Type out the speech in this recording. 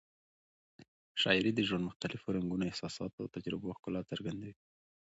شاعري د ژوند مختلفو رنګونو، احساساتو او تجربو ښکلا څرګندوي.